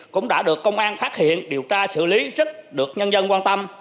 cũng đã được công an phát hiện điều tra xử lý rất được nhân dân quan tâm